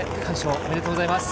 ありがとうございます。